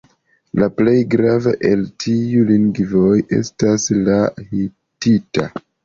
La plej grava el tiuj lingvoj estas la hitita.